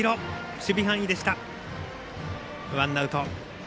守備範囲でした、ワンアウト。